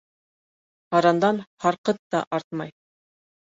Һарандан һарҡыт та артмай.